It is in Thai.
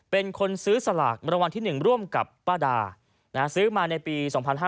เป็นคนซื้อสลากรางวัลที่๑ร่วมกับป้าดาซื้อมาในปี๒๕๕๙